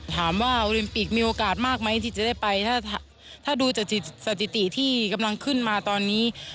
ถามว่าโอลิมปิกมีโอกาศมากมั้ยที่จะได้ไปถ้าดูสถิติที่ขึ้นมาตอนนี้